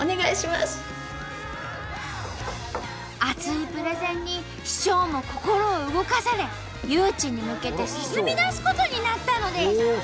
熱いプレゼンに市長も心を動かされ誘致に向けて進みだすことになったのです。